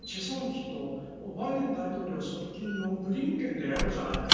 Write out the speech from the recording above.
姫とバイデン大統領側近のブリンケンでやろうじゃないか。